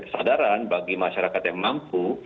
kesadaran bagi masyarakat yang mampu